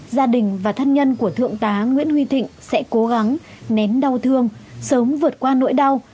gia đình và thân nhân của thượng tá nguyễn huy thịnh sẽ cố gắng nén đau thương sớm vượt qua nỗi đau